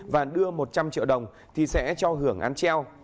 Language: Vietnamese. và đưa một trăm linh triệu đồng thì sẽ cho hưởng án treo